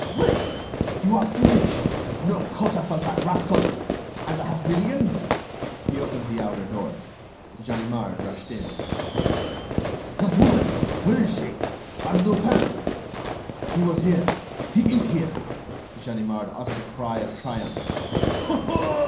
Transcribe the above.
"Wait! you are foolish!... No quarter for that rascal!... And the half million?" He opened the outer door. Ganimard rushed in. "That woman—where is she? And Lupin?" "He was here ... he is here." Ganimard uttered a cry of triumph.